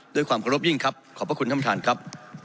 ด้วยความขอรบยิ่งครับขอบพระคุณท่านครับ